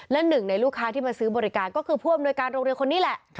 และหนึ่งในลูกค้าที่มาซื้อบริการก็คือผู้อำนวยการโรงเรียนคนนี้แหละ